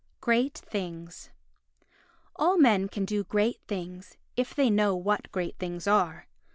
Great Things All men can do great things, if they know what great things are.